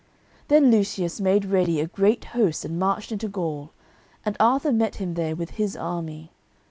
Then Lucius made ready a great host and marched into Gaul, and Arthur met him there with his army.